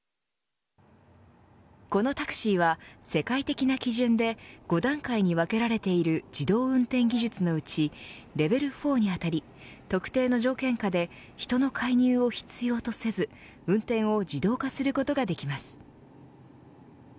このタクシーは、世界的な基準で５段階に分けられている自動運転技術のうちレベル４に当たり特定の条件下で人の介入を必要とせず運転を自動化することができます。